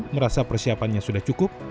merasa persiapannya sudah cukup